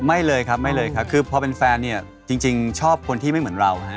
ไม่เลยครับไม่เลยครับคือพอเป็นแฟนเนี่ยจริงชอบคนที่ไม่เหมือนเราฮะ